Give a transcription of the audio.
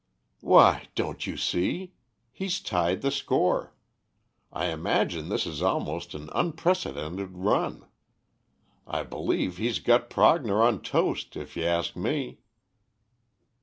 "Why, don't you see? He's tied the score. I imagine this is almost an unprecedented run. I believe he's got Prognor on toast, if you ask me."